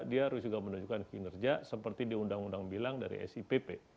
dia harus juga menunjukkan kinerja seperti di undang undang bilang dari sipp